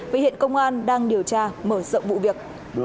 với hiện công an đang điều tra mở rộng vụ việc